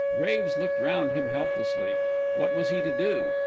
Graves looked round him helplessly. What was he to do?